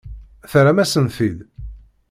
Terram-asen-t-id.